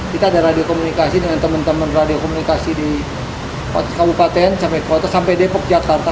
kita ada radio komunikasi dengan teman teman radio komunikasi di kabupaten sampai kota sampai depok jakarta